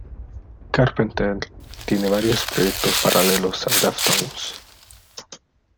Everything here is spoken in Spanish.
Carpenter tiene varios proyectos paralelos a Deftones.